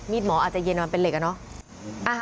หมออาจจะเย็นมันเป็นเหล็กอะเนาะ